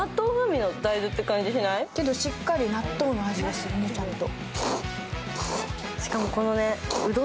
けど、しっかり納豆の味がするねちゃんと。